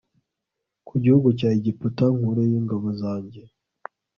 ku gihugu cya egiputa nkureyo ingabo zanjye